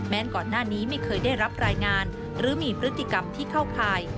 ก่อนหน้านี้ไม่เคยได้รับรายงานหรือมีพฤติกรรมที่เข้าข่าย